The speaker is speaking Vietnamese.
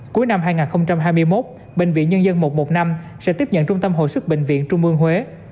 cuối năm hai nghìn hai mươi một bệnh viện nhân dân một trăm một mươi năm sẽ tiếp nhận trung tâm hội sức bệnh viện trung ương huế